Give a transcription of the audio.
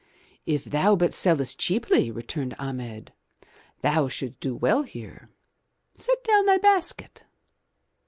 "If thou but sellest cheaply," returned Ahmed, "thou shouldst do well here. Set down thy basket."